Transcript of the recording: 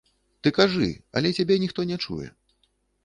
Ты кажы, але цябе ніхто не чуе.